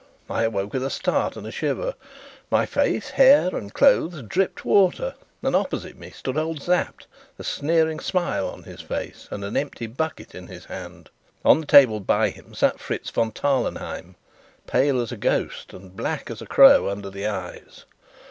I awoke with a start and a shiver; my face, hair and clothes dripped water, and opposite me stood old Sapt, a sneering smile on his face and an empty bucket in his hand. On the table by him sat Fritz von Tarlenheim, pale as a ghost and black as a crow under the eyes.